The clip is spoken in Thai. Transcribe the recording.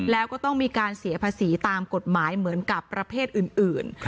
แล้วก็ต้องมีการเสียภาษีตามกฎหมายเหมือนกับประเภทอื่น